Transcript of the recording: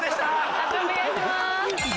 判定お願いします。